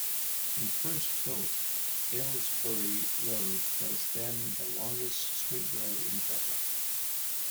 When first built, Ailesbury road was then the longest straight road in Dublin.